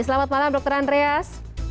selamat malam dokter andreas